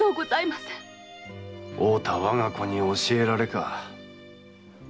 「負うた我が子に教えられ」か。